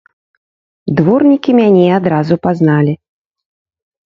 Дворнікі мяне адразу пазналі.